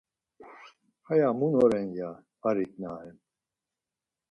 Haya mun oren ya arik na ren.